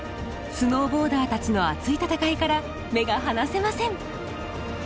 スノーボーダーたちの熱い戦いから目が離せません。